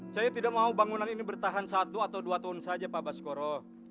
saya tidak mau bangunan ini bertahan satu atau dua tahun saja pak baskoro